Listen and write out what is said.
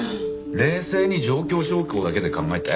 冷静に状況証拠だけで考えて。